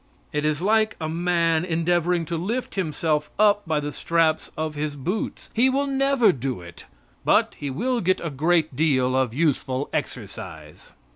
It is like a man endeavoring to lift himself up by the straps of his boots; he will never do it, but he will get a great deal of useful exercise.